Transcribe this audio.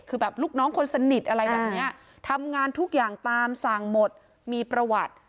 คือแบบลูกน้องคนสนิทอะไรแบบนี้ทำงานทุกอย่างตามสั่งหมดมีประวัติ